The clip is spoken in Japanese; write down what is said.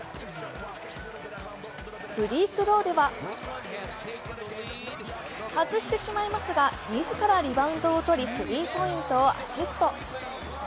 フリースローでは外してしまいますがみずからリバウンドをとりスリーポイントをアシスト。